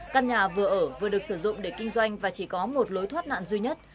căn nhà vừa ở vừa được sử dụng để kinh doanh và chỉ có một lối thoát nạn duy nhất